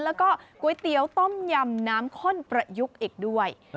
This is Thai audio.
แล้วก็ก๋วยเตี๋ยวต้มยำน้ำข้นประยุกต์อีกด้วย